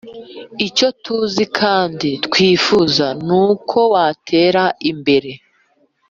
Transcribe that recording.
icyo tuzi kandi twifuzaga nuko watera imbera